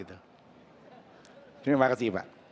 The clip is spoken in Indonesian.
terima kasih pak